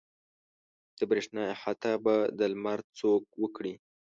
د برېښنا احاطه به د لمر څوک وکړي.